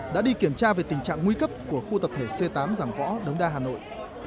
đã đi kiểm tra về tình trạng nguy cấp của khu tập thể c tám giảng võ đống đa hà nội